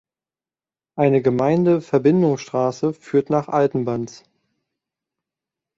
Eine Gemeindeverbindungsstraße führt nach Altenbanz.